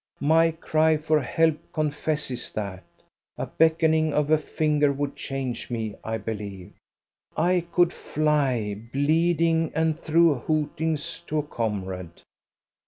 My cry for help confesses that. A beckoning of a finger would change me, I believe. I could fly bleeding and through hootings to a comrade.